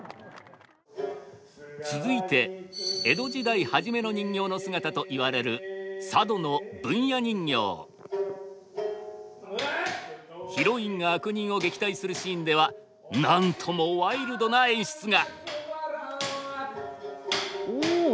続いて江戸時代初めの人形の姿といわれる佐渡のヒロインが悪人を撃退するシーンではなんともワイルドな演出が。